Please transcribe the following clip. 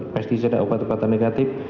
mestisena obat obatan negatif